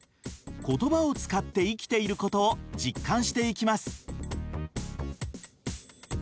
言葉を使って生きていることを実感していきます。